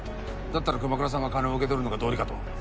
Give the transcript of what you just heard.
だったら熊倉さんが金を受け取るのが道理かと。